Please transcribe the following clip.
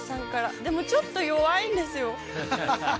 でもちょっと弱いんですよ。